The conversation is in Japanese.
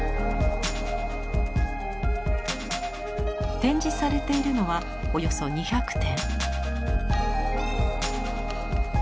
展示されているのはおよそ２００点。